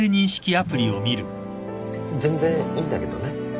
全然いいんだけどね。